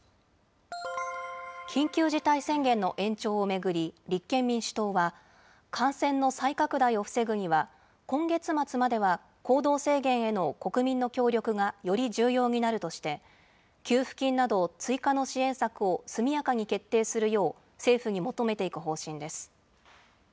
緊急事態宣言の延長を巡り、立憲民主党は、感染の再拡大を防ぐには、今月末までは行動制限への国民の協力がより重要になるとして、給付金など追加の支援策を速やかに決定するよう政府に求めていく方針です。